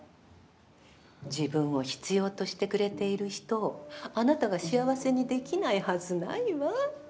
自分を必要としてくれている人をあなたが幸せにできないはずないわ。